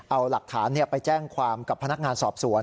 เอาหลักฐานไปแจ้งความกับพนักงานสอบสวน